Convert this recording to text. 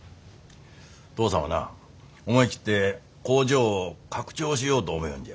父さんはな思い切って工場を拡張しようと思よんじゃ。